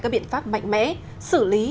các biện pháp mạnh mẽ xử lý